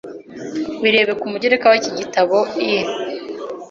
Birebe ku mugereka w’iki gitabo I: